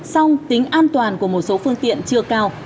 song tính an toàn của một số phương tiện chưa cao